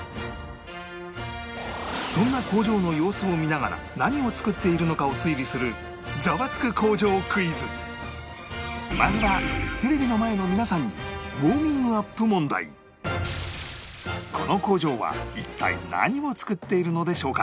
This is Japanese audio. そんな工場の様子を見ながら何を作っているのかを推理するまずはテレビの前の皆さんにこの工場は一体何を作っているのでしょうか？